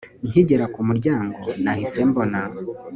Nkigera kumuryango nahise mbona